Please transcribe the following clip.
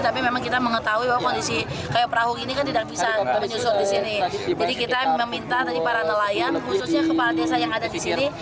tapi memang kita mengetahui bahwa kondisi kayak perahu ini kan tidak bisa menyusut di sini jadi kita meminta tadi para nelayan khususnya kepala desa yang ada di sini